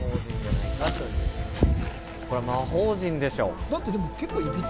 これ、魔法陣でしょ。